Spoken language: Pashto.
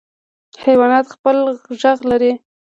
حیوانات خپل غږ لري.